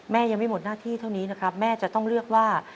ยังไม่หมดหน้าที่เท่านี้นะครับแม่จะต้องเลือกว่า